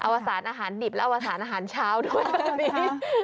อวสารอาหารดิบและอวสารอาหารเช้าด้วยแบบนี้ค่ะ